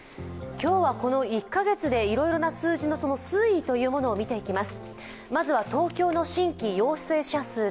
今日はこの１カ月でいろいろな数字の推移を見ていきます。